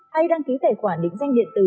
hay đăng ký tài khoản định danh điện tử